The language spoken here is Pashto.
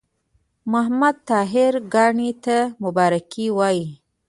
محمد طاهر کاڼي ته مبارکي وایم.